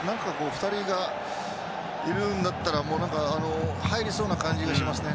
２人がいるんだったら入りそうな感じがしますね。